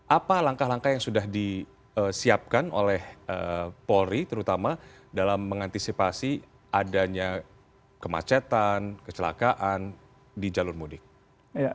apa langkah langkah yang sudah disiapkan oleh polri terutama dalam mengantisipasi adanya kemacetan kecelakaan di jalur mudik